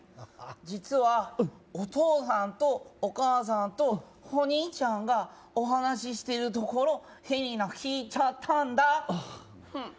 実はお父さんとお母さんとほにいちゃんがお話ししてるところエリナ聞いちゃったんだ